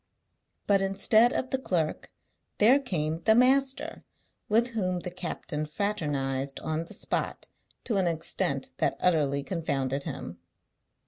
But instead of the clerk there came the master, with whom the captain fraternised on the spot to an extent that utterly confounded him.